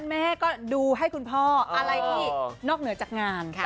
แม่ก็ดูให้คุณพ่ออะไรที่นอกเหนือจากงานค่ะ